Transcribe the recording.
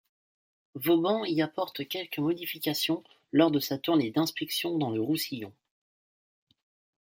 Vauban y apporte quelques modifications lors de sa tournée d'inspection dans le Roussillon.